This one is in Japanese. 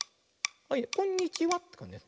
はいこんにちは。